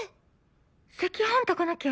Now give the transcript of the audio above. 赤飯炊かなきゃ。